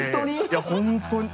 いや本当に。